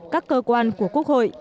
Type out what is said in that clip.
các cơ quan của quốc hội